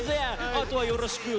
あとはよろしく！」